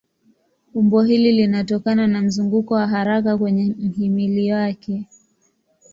Umbo hili linatokana na mzunguko wa haraka kwenye mhimili wake.